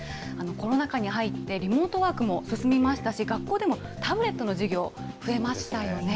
コロナ禍に入って、リモートワークも進みましたし、学校でもタブレットの授業、増えましたよね。